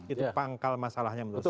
itu pangkal masalahnya menurut saya